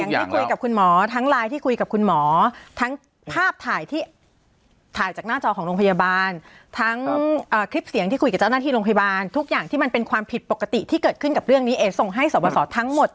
ที่คุยกับคุณหมอทั้งไลน์ที่คุยกับคุณหมอทั้งภาพถ่ายที่ถ่ายจากหน้าจอของโรงพยาบาลทั้งคลิปเสียงที่คุยกับเจ้าหน้าที่โรงพยาบาลทุกอย่างที่มันเป็นความผิดปกติที่เกิดขึ้นกับเรื่องนี้เอ๋ส่งให้สอบประสอทั้งหมด